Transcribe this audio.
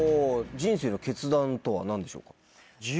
人生の決断とは何でしょうか？